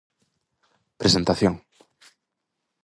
Presentación: